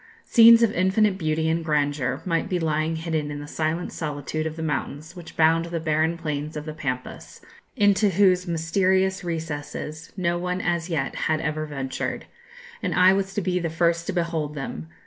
"Scenes of infinite beauty and grandeur might be lying hidden in the silent solitude of the mountains which bound the barren plains of the Pampas, into whose mysterious recesses no one as yet had ever ventured. And I was to be the first to behold them!